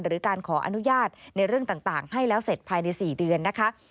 หรือการขออนุญาตในเรื่องต่างให้แล้วเสร็จภายใน๔เดือนนะคะ